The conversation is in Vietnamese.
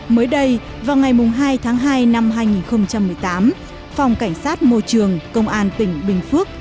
mới đây vào ngày hai tháng hai năm hai nghìn một mươi tám phòng cảnh sát môi trường công an tỉnh bình phước